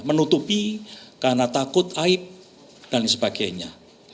menutupi karena takut aib dan sebagainya